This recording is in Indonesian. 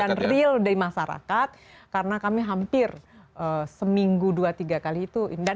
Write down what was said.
dan real di masyarakat karena kami hampir seminggu dua tiga kali itu